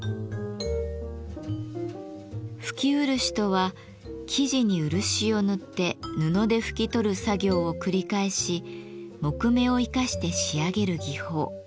拭き漆とは木地に漆を塗って布で拭き取る作業を繰り返し木目を生かして仕上げる技法。